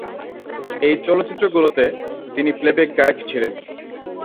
এই চলচ্চিত্রগুলোতে তিনি প্লেব্যাক গায়ক ছিলেন।